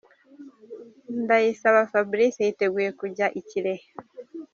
Ndayisaba Fabrice yitegura kujya i Kirehe .